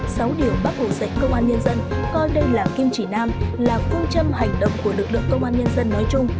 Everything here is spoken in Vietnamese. sáu điều bác hồ dạy công an nhân dân coi đây là kim chỉ nam là phương châm hành động của lực lượng công an nhân dân nói chung